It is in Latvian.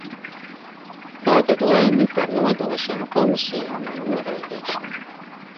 Tātad lemj par nodošanu komisijām vai noraidīšanu.